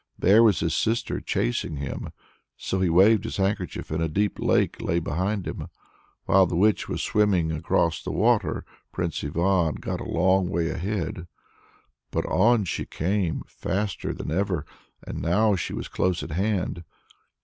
There was his sister chasing him. So he waved his handkerchief, and a deep lake lay behind him. While the witch was swimming across the water, Prince Ivan got a long way ahead. But on she came faster than ever; and now she was close at hand!